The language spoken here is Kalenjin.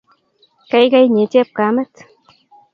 Keikei inye chepkamet